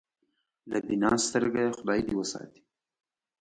له بینا سترګېه خدای دې وساتي.